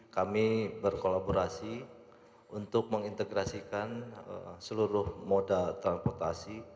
kami berkolaborasi untuk mengintegrasikan seluruh moda transportasi